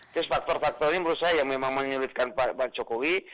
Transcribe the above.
terus faktor faktor ini menurut saya yang memang menyulitkan pak jokowi